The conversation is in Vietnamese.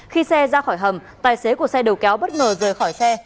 khi xe ra khỏi hầm tài xế của xe đầu kéo bất ngờ rời khỏi xe